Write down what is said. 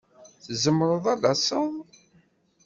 Tzemreḍ ad taseḍ?